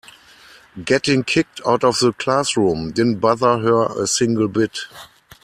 Getting kicked out of the classroom didn't bother her a single bit.